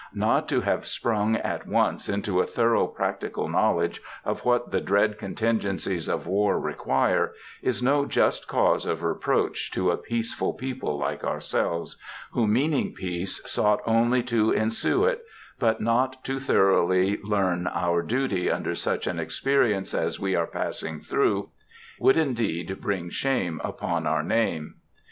Not to have sprung at once into a thorough practical knowledge of what the dread contingencies of war require, is no just cause of reproach to a peaceful people like ourselves, who, meaning peace, sought only to "ensue it"; but not to thoroughly learn our duty under such an experience as we are passing through, would indeed bring shame upon our name.